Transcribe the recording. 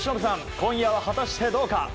今夜は果たしてどうか。